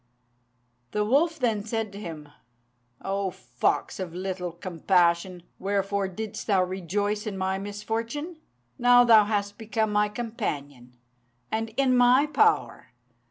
The wolf then said to him, "O fox of little compassion! wherefore didst thou rejoice in my misfortune? Now thou hast become my companion, and in my power.